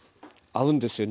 合うんですよ